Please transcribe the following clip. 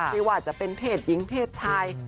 ไม่ว่าจะเป็นเพศหญิงเพศชาย